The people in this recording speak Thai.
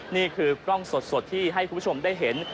นี่คือกล้องสดที่ให้คุณผู้ชมได้เห็น